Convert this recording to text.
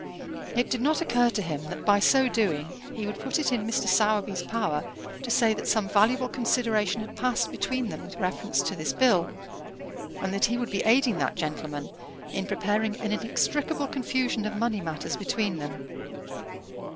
It did not occur to him that by so doing he would put it in Mr. Sowerby's power to say that some valuable consideration had passed between them with reference to this bill, and that he would be aiding that gentleman in preparing an inextricable confusion of money matters between them.